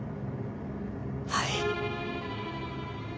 はい。